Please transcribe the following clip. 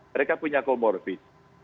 mereka punya komorfin